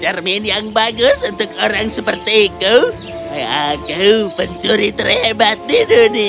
cermin yang bagus untuk orang sepertiku aku pencuri terhebat di dunia